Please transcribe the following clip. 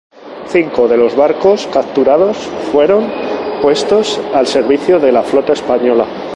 Cinco de los barcos capturados fueron puestos al servicio de la flota española.